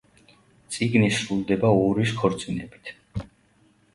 წიგნი სრულდება ორის ქორწინებით.